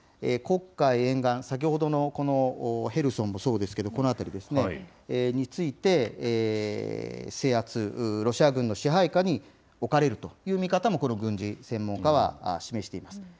黒海沿岸、先ほどのこのヘルソンもそうですけれども、この辺りですね、について、制圧、ロシア軍の支配下に置かれるという見方も、この軍事専門家は示しています。